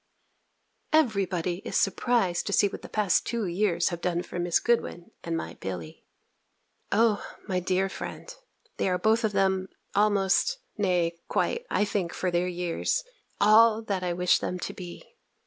Every body is surprised to see what the past two years have done for Miss Goodwin and my Billy. O, my dear friend, they are both of them almost nay, quite, I think, for their years, all that I wish them to be.